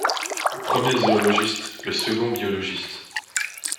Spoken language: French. Le premier zoologiste, le second biologiste.